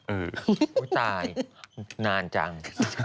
เออตายนานจัง